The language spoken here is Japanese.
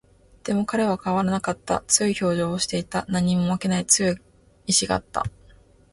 でも、彼は変わらなかった。強い表情をしていた。何にも負けない固い意志があった。